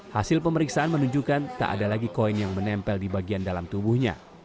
hasil pemeriksaan menunjukkan tak ada lagi koin yang menempel di bagian dalam tubuhnya